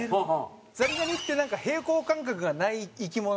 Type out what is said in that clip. ザリガニってなんか平衡感覚がない生き物。